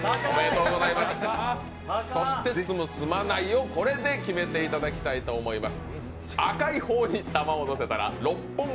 そして住む、住まないをこれで決めていただきたいと思います。